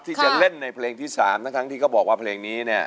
ที่จะเล่นในเพลงที่๓ทั้งที่เขาบอกว่าเพลงนี้เนี่ย